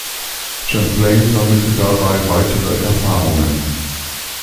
Champlain sammelte dabei weitere Erfahrungen.